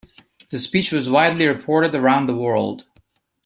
The speech was widely reported around the world.